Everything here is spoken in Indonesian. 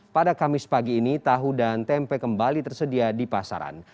pada kamis pagi ini tahu dan tempe kembali tersedia di pasaran